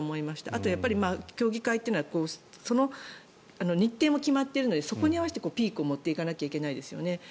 あと、競技会というのは日程も決まっているのでそこに合わせてピークを持っていかなきゃいけないですよね。